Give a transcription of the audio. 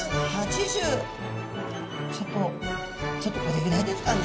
ちょっとちょっとこれぐらいですかね。